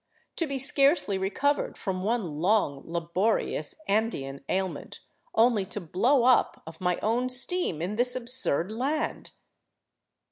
To be scarcely recovered from one long, laborious, Andean ailment, only to blow up of my own steam in this absurd land